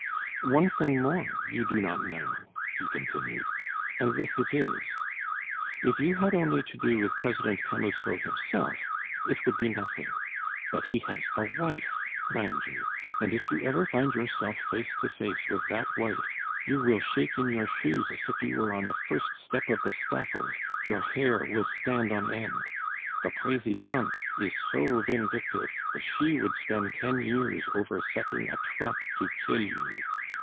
"One thing more you do not know," he continued, "and this it is. If you had only to do with President Camusot himself, it would be nothing; but he has a wife, mind you! and if you ever find yourself face to face with that wife, you will shake in your shoes as if you were on the first step of the scaffold, your hair will stand on end. The Presidente is so vindictive that she would spend ten years over setting a trap to kill you.